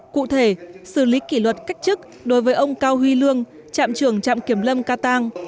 cụ thể xử lý kỷ luật cách chức đối với ông cao huy lương trạm trưởng trạm kiểm lâm ca tăng